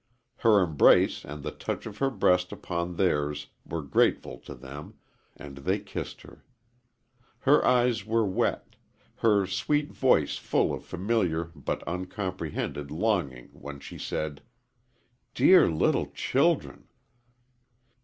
Her embrace and the touch of her breast upon theirs were grateful to them, and they kissed her. Her eyes were wet, her sweet voice full of familiar but uncomprehended longing when she said, "Dear little children!"